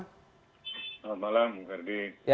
selamat malam ferdi